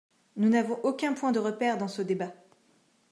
Nous n’avons aucun point de repère dans ce débat.